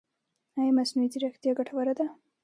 ایا مصنوعي ځیرکتیا ګټوره ده؟